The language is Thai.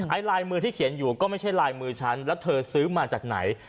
ลายมือที่เขียนอยู่ก็ไม่ใช่ลายมือฉันแล้วเธอซื้อมาจากไหน